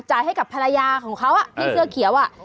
จ่ายให้กับภรรยาของเขาอ่ะเออในเสื้อเขียวอ่ะ